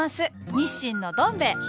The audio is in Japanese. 日清のどん兵衛東？